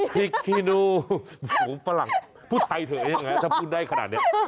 พริกคีนูฝรั่งพูดไทยเถอยังไงถ้าพูดได้ขนาดนี้